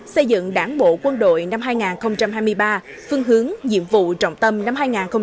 xây dựng đảng bộ quân đội năm hai nghìn hai mươi ba phương hướng nhiệm vụ trọng tâm năm hai nghìn hai mươi năm